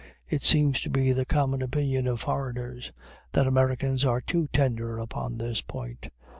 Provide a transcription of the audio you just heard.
It seems to be the common opinion of foreigners that Americans are too tender upon this point.